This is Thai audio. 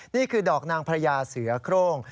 นี่คือดอกนางพระยาเสือโครง